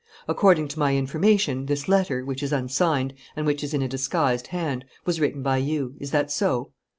According to my information, this letter, which is unsigned and which is in a disguised hand, was written by you. Is that so?"